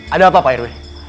ada apa pak rw